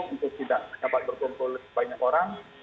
untuk tidak dapat berkumpul banyak orang